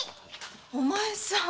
お前さん